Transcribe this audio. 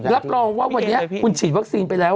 รับรองว่าวันนี้คุณฉีดวัคซีนไปแล้ว